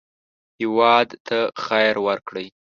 هېواد ته خیر ورکړئ